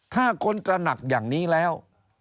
ถ้าคนตระหนักอย่างนี้แล้ว